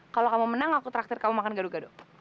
kalau kamu menang aku terakhir kamu makan gado gado